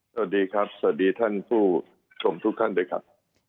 สวัสดีครับสวัสดีท่านผู้ชมทุกท่านด้วยครับ